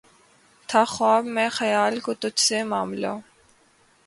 تھا خواب میں خیال کو تجھ سے معاملہ